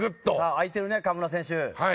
空いてるね、河村選手。